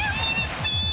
ピィ。